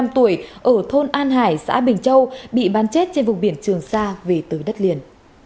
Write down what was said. bốn mươi năm tuổi ở thôn an hải xã bình châu bị bắn chết trên vùng biển trường sa về tới đất liền